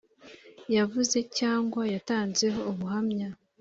yavuze cyangwa yatanzeho ubuhamya